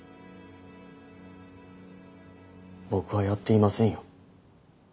僕はやっていませんよ。